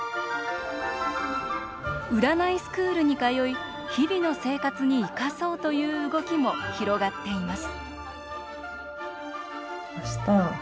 スクールに通い日々の生活に生かそうという動きも広がっています。